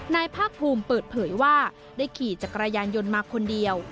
นายภาคภูมิเปิดเผยว่าได้ขี่จักรยานยนต์มาคนเดียว